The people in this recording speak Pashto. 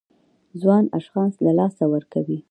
ځوان اشخاص له لاسه ورکوي.